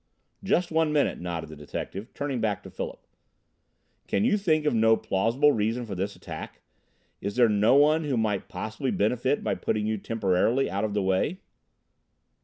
"Just one minute," nodded the detective, turning back to Philip. "Can you think of no plausible reason for this attack? Is there no one who might possibly benefit by putting you temporarily out of the way?"